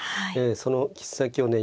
その切っ先をね